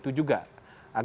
untuk mengambil keputusan